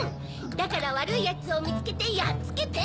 だからわるいヤツをみつけてやっつけて。